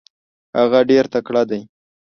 هغه ډیر تکړه دی.